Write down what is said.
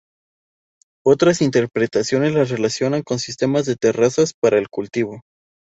Otras interpretaciones las relacionan con sistemas de terrazas para el cultivo.